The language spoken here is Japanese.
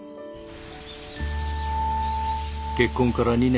結婚から２年。